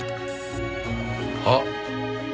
あっ。